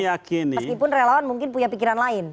meskipun relawan mungkin punya pikiran lain